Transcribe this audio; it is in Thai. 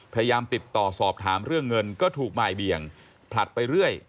พยายามติดต่อสอบถามเรื่องเงินก็ถูกบ่ายเบียงผลัดไปเรื่อย